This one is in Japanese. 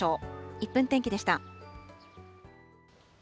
１分天気でした。